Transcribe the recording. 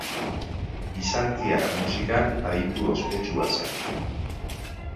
Bizantziar musikan aditu ospetsua zen.